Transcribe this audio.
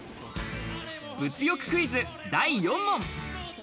物欲クイズ、第４問。